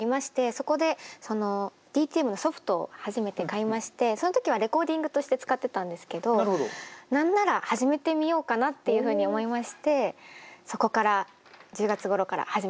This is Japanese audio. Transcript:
そこでＤＴＭのソフトを初めて買いましてその時はレコーディングとして使ってたんですけど何なら始めてみようかなっていうふうに思いましてそこから１０月ごろから始めました。